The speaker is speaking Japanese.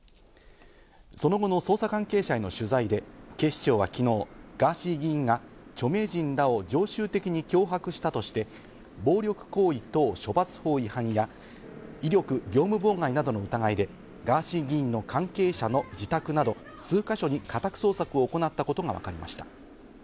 その後の捜査関係者への取材で警視庁は昨日、ガーシー議員が著名人らを常習的に脅迫したとして、暴力行為等処罰法違反や威力業務妨害などの疑いでガーシー議員の関係者の自宅など数か所に家宅捜索を行ったことがわかりました。